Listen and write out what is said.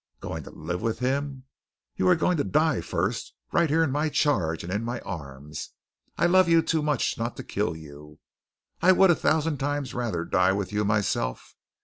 Going to live with him? You are going to die first, right here in my charge and in my arms. I love you too much not to kill you. I would a thousand times rather die with you myself.